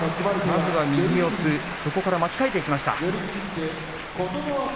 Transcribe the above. まずは右四つ、そこから巻き替えていきました。